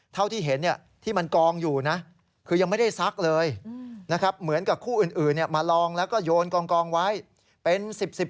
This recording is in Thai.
ต้องช่วยกัน